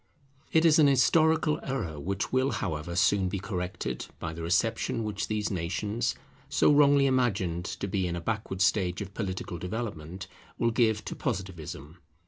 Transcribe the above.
It is an historical error which will, however, soon be corrected by the reception which these nations, so wrongly imagined to be in a backward stage of political development, will give to Positivism.